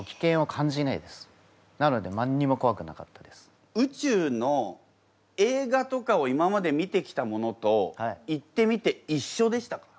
だから宇宙の映画とかを今まで見てきたものと行ってみていっしょでしたか？